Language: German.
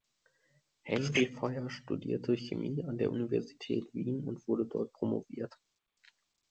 Henry Feuer studierte Chemie an der Universität Wien und wurde dort promoviert.